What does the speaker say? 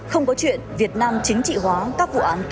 không có chuyện việt nam chính trị hóa